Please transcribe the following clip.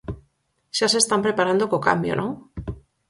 Xa se están preparando co cambio, ¿non?